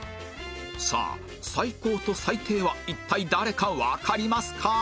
さあ最高と最低は一体誰かわかりますか？